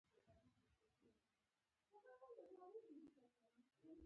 په هره غزوه کښې به څومره ملايک د مجاهدينو مرستې ته راتلل.